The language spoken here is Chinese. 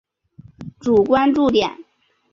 主关注点。